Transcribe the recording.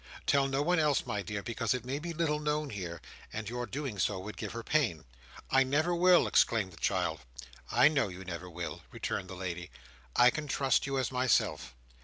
Tell no one else, my dear, because it may be little known here, and your doing so would give her pain." "I never will!" exclaimed the child. "I know you never will," returned the lady. "I can trust you as myself.